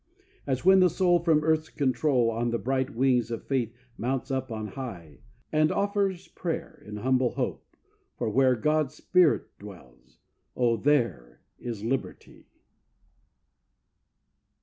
As when the soul from earth's control On the bright wings of Faith mounts up on high, And offers prayer, in humble hope, for where God's spirit dwells, oh, there is Liberty!